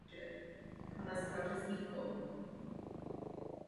V československé lize hrál za Duklu Banská Bystrica.